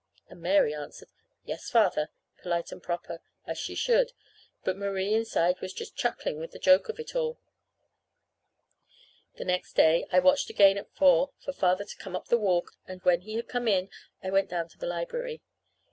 And Mary answered, "Yes, Father," polite and proper, as she should; but Marie inside was just chuckling with the joke of it all. The next day I watched again at four for Father to come up the walk; and when he had come in I went down to the library.